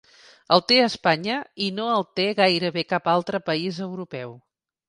El té Espanya i no el té gairebé cap altre país europeu.